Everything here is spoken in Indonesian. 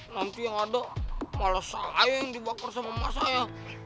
nanti yang ada malah salah yang dibakar sama emak saya